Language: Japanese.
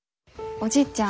おじいちゃん。